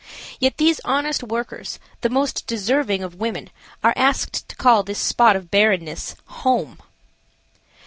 Yet these honest workers, the most deserving of women, are asked to call this spot of bareness–home.